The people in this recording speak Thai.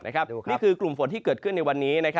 นี่คือกลุ่มฝนที่เกิดขึ้นในวันนี้